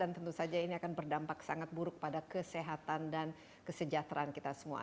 tentu saja ini akan berdampak sangat buruk pada kesehatan dan kesejahteraan kita semua